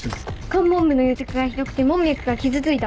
肝門部の癒着がひどくて門脈が傷ついた。